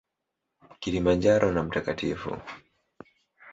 Kilimanjaro na Mt.